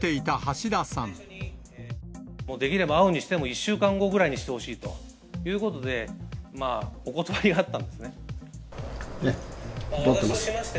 できれば会うにしても、１週間後くらいにしてほしいということで、お断りがあったんですね、断ってます。